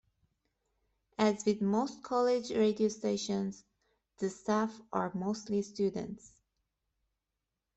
As with most college radio stations, the staff are mostly students.